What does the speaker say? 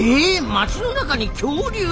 街の中に恐竜？